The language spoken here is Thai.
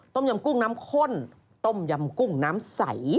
ต้มยำกุ้งน้ำข้นต้มยำกุ้งน้ำใส